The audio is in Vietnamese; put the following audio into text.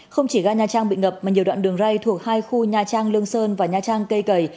không chỉ ga nha trang bị ngập mà nhiều đoạn đường ray thuộc hai khu nha trang lương sơn và nha trang cây cầy